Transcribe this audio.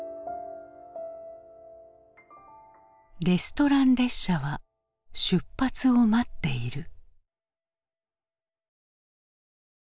レストラン列車は出発を待っている。